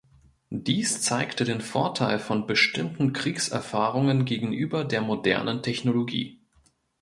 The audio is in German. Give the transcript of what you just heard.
Dies zeigte den Vorteil von bestimmten Kriegserfahrungen gegenüber der modernen Technologie.